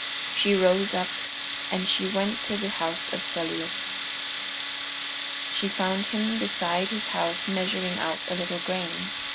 She rose up and she went to the house of Celeus. She found him beside his house measuring out a little grain.